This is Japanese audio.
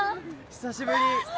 久しぶり。